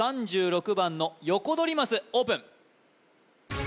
３６番のヨコドリマスオープン